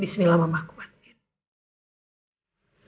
bismillah mamah kuat gin